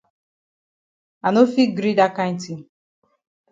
I no fit gree dat kind tin.